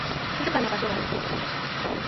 静かな場所が好きです。